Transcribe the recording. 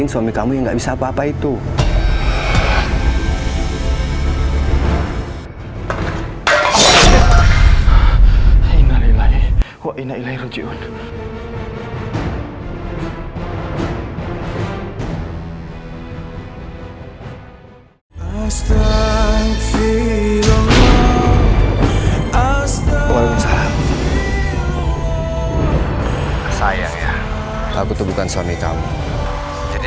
sayang aku masih jadi istrinya mas didi